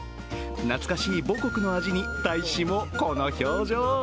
懐かしい母国の味に大使もこの表情。